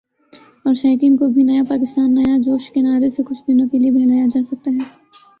اور شائقین کو بھی "نیا کپتان ، نیا جوش" کے نعرے سے کچھ دنوں کے لیے بہلایا جاسکتا ہے ۔